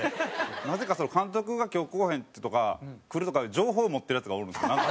なぜか監督が今日来うへんとか来るとか情報を持ってるヤツがおるんすよなんか。